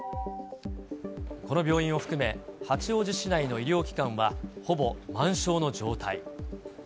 この病院を含め、八王子市内の医療機関はほぼ満床の状態。